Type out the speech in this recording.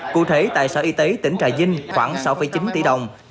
cụ thể tại sở y tế tỉnh trà vinh khoảng sáu chín tỷ đồng